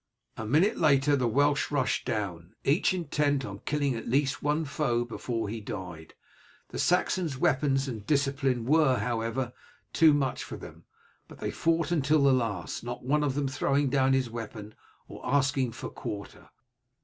A minute later the Welsh rushed down, each intent on killing at least one foe before he died. The Saxons' weapons and discipline were, however, too much for them; but they fought until the last, not one of them throwing down his weapon or asking for quarter.